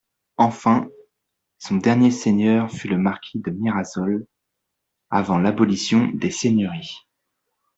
Enfin, son dernier seigneur fut le Marquis de Mirasol, avant l'abolition des seigneuries.